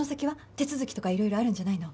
手続きとか色々あるんじゃないの？